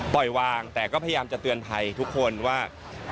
ปล่อยวางแต่ก็พยายามจะเตือนภัยทุกคนว่า